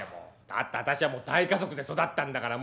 だって私は大家族で育ったんだから。